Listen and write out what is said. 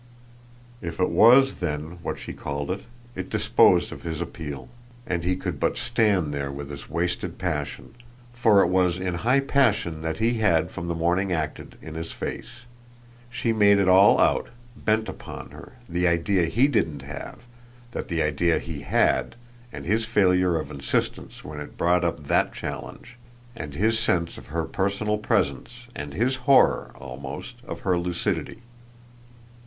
If it WAS then what she called it, it disposed of his appeal, and he could but stand there with his wasted passion for it was in high passion that he had from the morning acted in his face. She made it all out, bent upon her the idea he didn't have, and the idea he had, and his failure of insistence when it brought up THAT challenge, and his sense of her personal presence, and his horror, almost, of her lucidity.